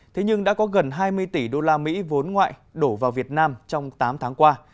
thế nhưng đã có gần hai mươi tỷ usd vốn ngoại đổ vào việt nam trong tám tháng qua